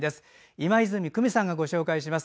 今泉久美さんがご紹介します。